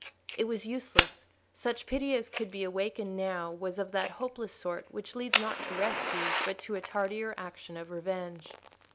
It was useless: such pity as could be awakened now was of that hopeless sort which leads not to rescue, but to the tardier action of revenge.